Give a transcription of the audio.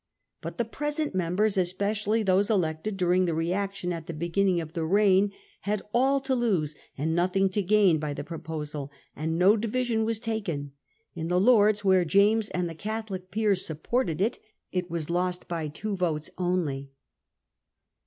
But the present members, especially those elected during the reaction at the beginning of the reign, had ail to lose and nothing to gain by the pro posal, and no division was taken ; in the Lords, where James and the Catholic peers supported it, it was lost by two votes only.